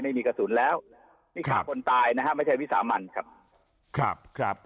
ไม่มีกระสุนแล้วนี่ฆ่าคนตายนะฮะไม่ใช่วิสามันครับครับ